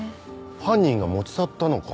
犯人が持ち去ったのか？